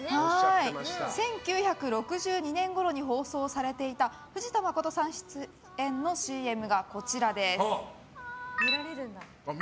１９６２年ごろに放送されていた藤田まことさん出演のＣＭがこちらです。